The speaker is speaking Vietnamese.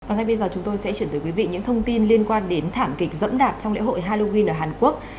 bây giờ chúng tôi sẽ chuyển tới quý vị những thông tin liên quan đến thảm kịch dẫm đạt trong lễ hội halloween ở hàn quốc